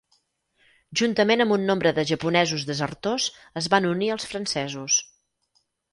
Juntament amb un nombre de japonesos desertors, es van unir als francesos.